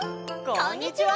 こんにちは！